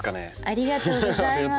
ありがとうございます。